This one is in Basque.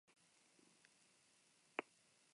Bertso jardunaz aparte, gidoigintzan egiten du lan.